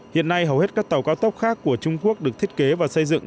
hiện nay hầu hết các tàu cao tốc khác của trung quốc được thiết kế và xây dựng